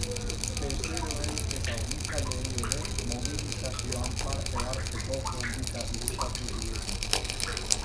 Bezeroei eta hornitzaileei ere mobilizazioan parte hartzeko gonbita luzatu diete.